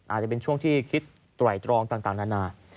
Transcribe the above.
อาจจะเป็นช่วงที่คิดไตรตรองต่างนานา